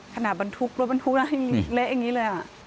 ขนาดบันทุกข์รถบันทุกข์เละอย่างนี้เลยอ่ะ